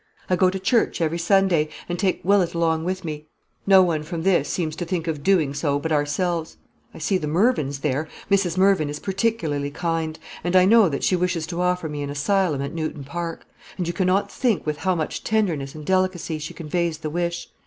"I go to church every Sunday, and take Willett along with me. No one from this seems to think of doing so but ourselves. I see the Mervyns there. Mrs. Mervyn is particularly kind; and I know that she wishes to offer me an asylum at Newton Park; and you cannot think with how much tenderness and delicacy she conveys the wish.